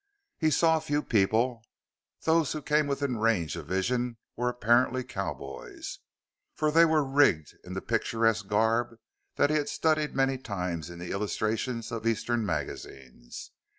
He saw few people; those who came within range of vision were apparently cowboys, for they were rigged in the picturesque garb that he had studied many times in the illustrations of Eastern magazines.